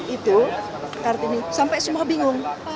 itu kartini sampai semua bingung